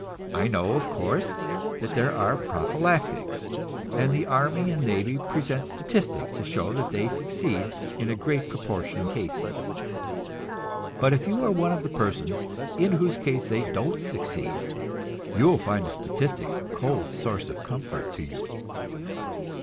I know, of course, that there are prophylactics, and the army and navy present statistics to show that they succeed in a great proportion of cases. But if you are one of those persons in whose case they don't succeed, you will find the statistics a cold source of comfort to you.